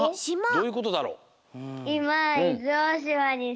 どういうことだろう？え！？